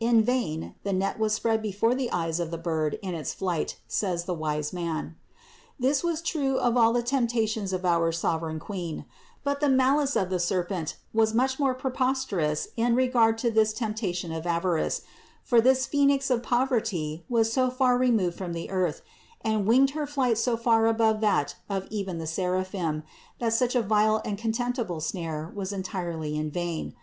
346. In vain the net is spread before the eyes of the bird in its flight, says the wise man. This was true of all the temptations of our sovereign Queen; but the malice of the serpent was much more preposterous in regard to this temptation of avarice, for this Phoenix of poverty was so far removed from the earth, and winged her flight so far above that of even the seraphim, that such a vile and contemptible snare was entirely in vain.